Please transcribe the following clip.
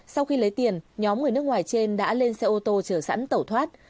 sau khi lấy tiền nhóm người nước ngoài trên đã lên xe ô tô chờ sẵn tẩu thoát